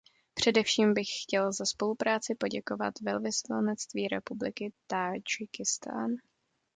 Především bych chtěl za spolupráci poděkovat Velvyslanectví Republiky Tádžikistán.